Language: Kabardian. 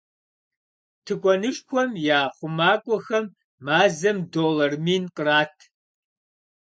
Тыкуэнышхуэм я хъумакӏуэхэм мазэм доллар мин кърат.